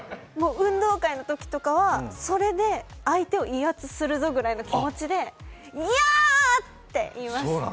運動会のときとかは、それで相手を威圧するぐらいの勢いでヤーッ！って言います。